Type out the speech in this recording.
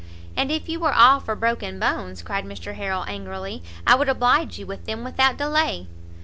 "And if you were all for broken bones," cried Mr Harrel, angrily, "I would oblige you with them without delay."